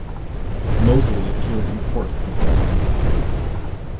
Mosley appeared in court the following day.